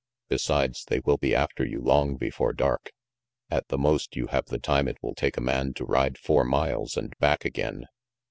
"Besides, they will be after you long before dark. At the most, you have the time it will take a man to ride four miles and back again."